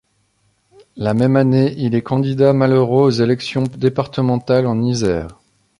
La même année, il est candidat malheureux aux élections départementales en Isère.